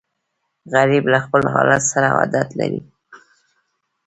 غریب له خپل حال سره عادت لري